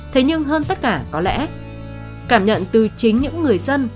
thế nhưng hơn tất cả có lẽ cảm nhận từ chính những người dân